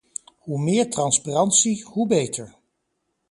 Hoe meer transparantie, hoe beter.